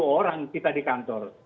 sepuluh orang kita di kantor